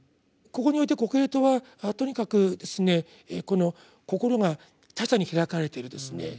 ここにおいてコヘレトはとにかく心が他者に開かれている。